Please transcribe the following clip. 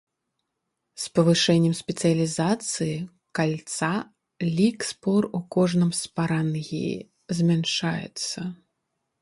З павышэннем спецыялізацыі кальца лік спор у кожным спарангіі змяншаецца.